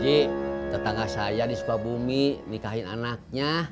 ji tetangga saya di sekolah bumi nikahin anaknya